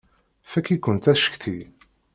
Fakk-ikent acetki!